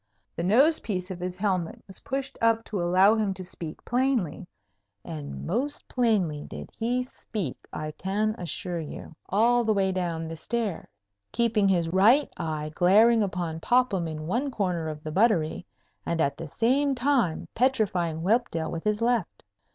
The nose piece of his helmet was pushed up to allow him to speak plainly, and most plainly did he speak, I can assure you, all the way down stairs, keeping his right eye glaring upon Popham in one corner of the buttery, and at the same time petrifying Whelpdale with his left.